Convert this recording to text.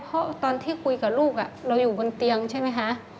เพราะตอนที่คุยกับลูกเราอยู่บนเตียงใช่ไหมคะ